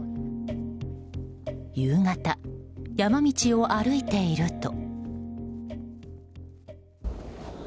夕方、山道を歩いていると。